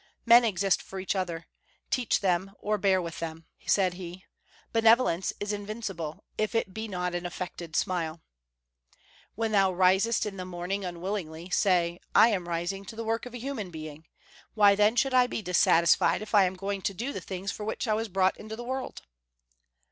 "Men exist for each other: teach them or bear with them," said he. "Benevolence is invincible, if it be not an affected smile." "When thou risest in the morning unwillingly, say, 'I am rising to the work of a human being; why, then, should I be dissatisfied if I am going to do the things for which I was brought into the world?'"